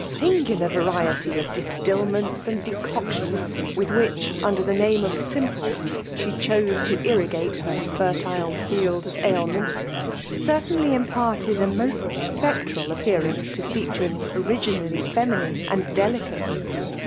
singiilar variety of distiliaenU and tions with which, under the name of siiD] she choose to irrigate her fertile, field of ail mentsy certainly imparted a Bioat apactral ap pearance to features originally femiiaae delicate.